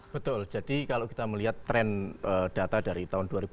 betul jadi kalau kita melihat tren data dari tahun dua ribu enam belas ke dua ribu tujuh belas sekarang